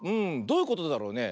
どういうことだろうね。